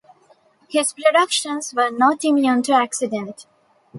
His productions were not immune to accident.